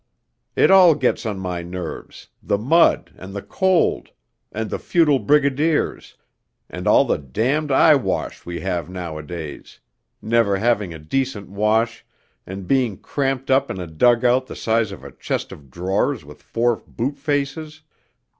'It all gets on my nerves, the mud, and the cold, and the futile Brigadiers, and all the damned eyewash we have nowadays ... never having a decent wash, and being cramped up in a dug out the size of a chest of drawers with four boot faces